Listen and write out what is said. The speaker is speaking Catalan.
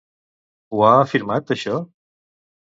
On ha afirmat això?